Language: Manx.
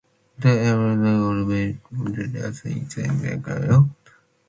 T'eh er ngholl magh er dty eiyrt's as t'eh geamagh ort.